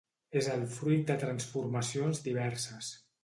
És el fruit de transformacions diverses.